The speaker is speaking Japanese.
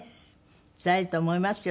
つらいと思いますよ